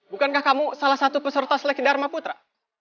bukankah kamu salah satu peserta seleksi dharma putra